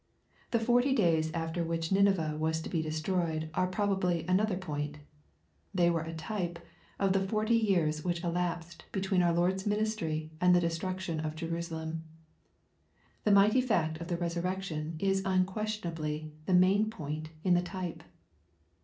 — The forty days after which Nineveh was to be de stroyed are probably anoflier point. They were a type of the forty years which' elapsed between our Lord's ministry and the destruc tion of Jerusalem. — The mighty fact of the resurrection is unques tionably the main point in the type.